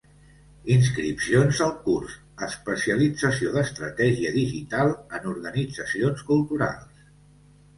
Inscripcions al curs "Especialització d'Estratègia Digital en Organitzacions Culturals"